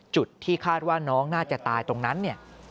จุดที่คาดว่าน้องน่าจะตายตรงนั้นเนี่ย